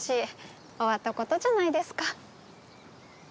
終わった事じゃないですか。